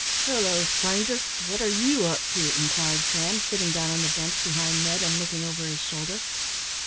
"Halloo! stranger, what air you up to!" inquired Sam, sitting down on the bench behind Ned, and looking over his shoulder.